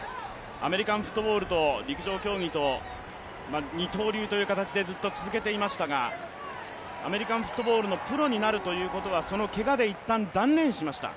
アメリカンフットボールと陸上競技と二刀流という形でずっと続けていましたが、アメリカンフットボールのプロになるということはそのけがでいったん断念しました。